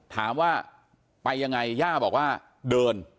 ถามว่าไปยังไงย่าบอกว่าเดิน